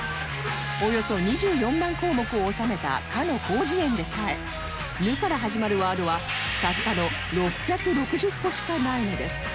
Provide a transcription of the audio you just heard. およそ２４万項目を収めたかの『広辞苑』でさえ「ぬ」から始まるワードはたったの６６０個しかないんです